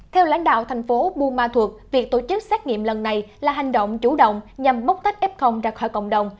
theo lãnh đạo thành phố bumatut việc tổ chức xét nghiệm lần này là hành động chủ động nhằm mốc tách f ra khỏi cộng đồng